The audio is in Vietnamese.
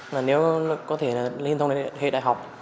mà nếu có thể là lên hệ cao đẳng là học lên hệ cao đẳng